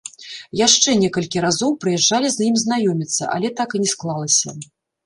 Яшчэ некалькі разоў прыязджалі з ім знаёміцца, але так і не склалася.